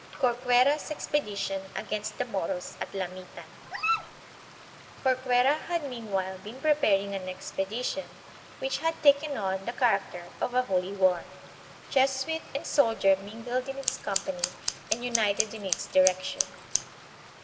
Corcuera's Expedition against the Moros at Lamttan. Corcuera had meanwhile been preparing an expedition, THE DUTCH AND MORO WARS. 1600 1663. 199 which had taken on the character of a holy war. Jesuit and soldier mingled in its company and united in its di rection.